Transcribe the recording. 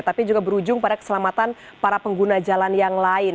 tapi juga berujung pada keselamatan para pengguna jalan yang lain